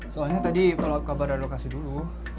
soalnya tadi kalau kabarnya lokasi dulu